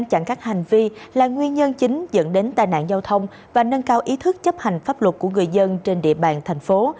chặn các hành vi là nguyên nhân chính dẫn đến tai nạn giao thông và nâng cao ý thức chấp hành pháp luật của người dân trên địa bàn thành phố